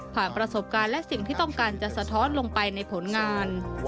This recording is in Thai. ประสบการณ์และสิ่งที่ต้องการจะสะท้อนลงไปในผลงาน